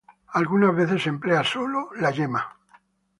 Algunas veces se emplea solo la yema.